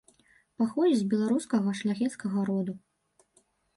Паходзіць з беларускага шляхецкага роду.